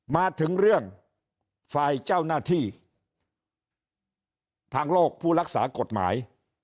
มาถึงเรื่องฝ่ายเจ้าหน้าที่ทางโลกผู้รักษากฎหมาย